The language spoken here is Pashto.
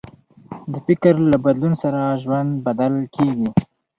د فکر له بدلون سره ژوند بدل کېږي.